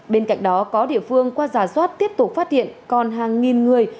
bên cạnh đó có địa phương qua giả soát tiếp tục phát hiện còn hàng nghìn người